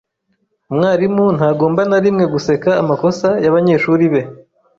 Umwarimu ntagomba na rimwe guseka amakosa y'abanyeshuri be